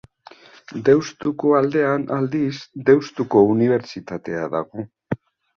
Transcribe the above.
Deustuko aldean, aldiz, Deustuko Unibertsitatea dago.